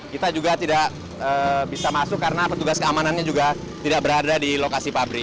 kita juga tidak bisa masuk karena petugas keamanannya juga tidak berada di lokasi pabrik